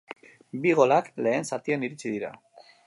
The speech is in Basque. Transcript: Bi golak lehen zatian iritsi dira.